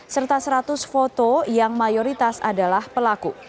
serta seratus foto yang mayoritas adalah pelaku